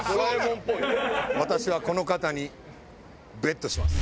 私はこの方にＢＥＴします。